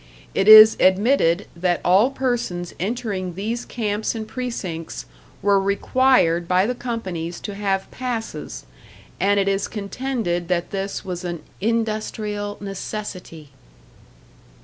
It is admitted that all persons entering these camps and precincts were required by the companies to have passes, and it is contended that this was an 'industrial necessity.'"